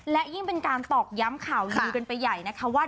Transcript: และยิ่งเป็นการตอกย้ำข่าวลือกันไปใหญ่นะคะว่า